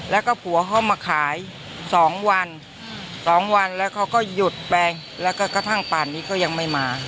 แล้วก็ผัวเขามาขาย๒วัน๒วันแล้วเขาก็หยุดไปแล้วก็กระทั่งป่านนี้เขายังไม่มา